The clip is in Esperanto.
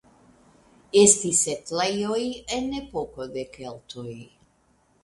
Estis setlejoj en epoko de keltoj.